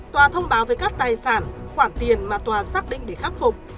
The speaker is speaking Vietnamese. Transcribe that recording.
tòa thông báo về các tài sản khoản tiền mà tòa xác định để khắc phục